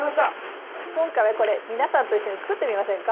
今回はこれ皆さんと一緒に作ってみませんか？